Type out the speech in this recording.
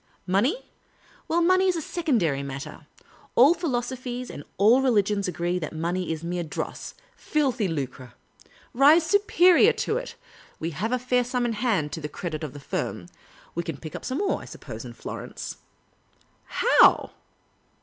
Money ? Well, money is a secondary matter. All philosophies and all religions agree that money is mere dross, filthy lucre. Rise superior to it. We have a fair sum in hand to the credit of the firm ; we can pick up some more, I suppose, in Florence." '• How?"